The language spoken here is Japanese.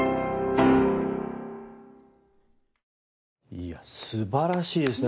いや素晴らしいですね。